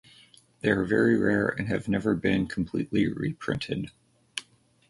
They are very rare and have never been completely reprinted.